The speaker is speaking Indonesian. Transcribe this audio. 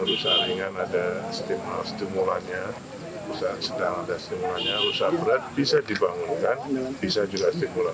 usaha ringan ada stimulannya usaha sedang ada stimulannya usaha berat bisa dibangunkan bisa juga stimulan